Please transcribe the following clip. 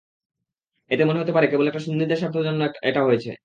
এতে মনে হতে পারে কেবল সুন্নিদের স্বার্থ রক্ষার জন্য এটা হয়েছে।